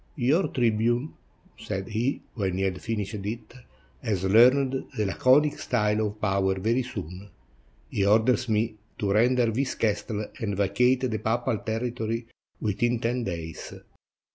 "Your tribune," said he, when he had finished it, "has learned the laconic style of power very soon. He orders me to render this castle and vacate the papal territory within ten days.